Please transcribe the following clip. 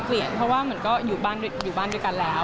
เพราะอยู่บ้านด้วยกันแล้ว